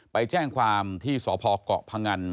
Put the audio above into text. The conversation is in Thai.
ไปแจ้งความที่สอบพอกเกาะพังอัน